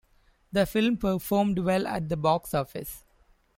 The film performed well at the box office.